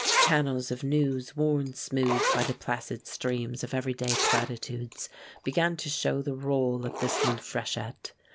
Channels of news worn smooth by the placid streams of everyday platitudes began to show the roll of this new freshet.